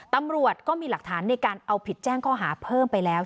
ตำรวจก็มีหลักฐานในการเอาผิดแจ้งข้อหาเพิ่มไปแล้ว